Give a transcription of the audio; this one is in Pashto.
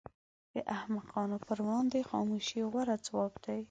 د احمقانو پر وړاندې خاموشي غوره ځواب دی.